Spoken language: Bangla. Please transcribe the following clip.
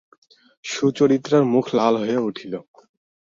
সুচরিতার মুখ লাল হইয়া উঠিল।